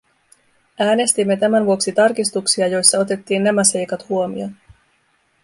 Äänestimme tämän vuoksi tarkistuksia, joissa otettiin nämä seikat huomioon.